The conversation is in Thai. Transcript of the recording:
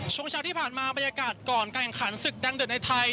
ช่วงเช้าที่ผ่านมาบรรยากาศก่อนการแข่งขันศึกดังเดือดในไทย